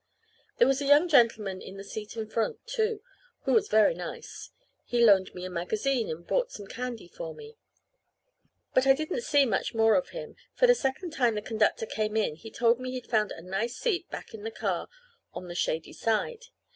There was a young gentleman in the seat in front, too, who was very nice. He loaned me a magazine, and bought some candy for me; but I didn't see much more of him, for the second time the conductor came in he told me he'd found a nice seat back in the car on the shady side.